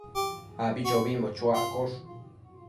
abichobimbo chuaccosh